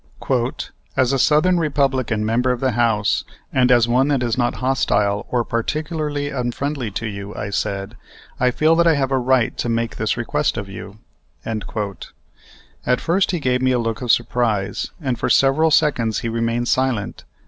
"As a southern Republican member of the House, and as one that is not hostile or particularly unfriendly to you," I said, "I feel that I have a right to make this request of you." At first he gave me a look of surprise, and for several seconds he remained silent.